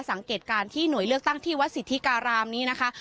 สังเกตการณ์ที่หน่วยเลือกตั้งที่วัดสิทธิการามนี้นะคะ